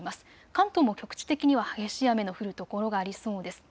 関東も局地的には激しい雨の降る所がありそうです。